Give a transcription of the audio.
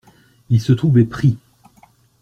Ils se trouvaient pris.